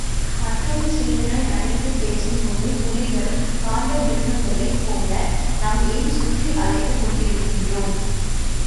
மற்றொகு சீடனை அழைத்து பேசும்போது புலிகள், காண்ட மிருகங்களைப் போல நாம் ஏன் சுற்றி அலைந்து கொண்டிருக்கிறோம்!